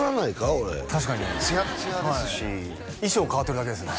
俺確かにツヤツヤですし衣装変わってるだけですね